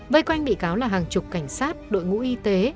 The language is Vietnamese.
vây quanh bị cáo là hàng chục cảnh sát đội ngũ y tế